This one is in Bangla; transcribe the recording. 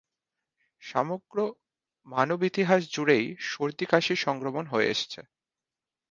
সমগ্র মানব ইতিহাস জুড়েই সর্দি-কাশির সংক্রমণ হয়ে এসেছে।